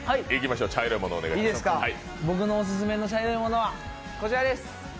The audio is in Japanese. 僕のオススメの茶色いものはこちらです。